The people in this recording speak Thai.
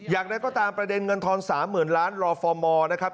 อยากได้ก็ตามประเด็นเงินทอล๓หมื่นล้านรอฟอร์มอล์นะครับ